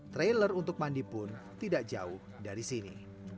trailer untuk mandi pun tidak jauh dari sini